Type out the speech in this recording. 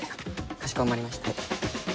かしこまりました。